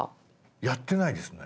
やってないですね。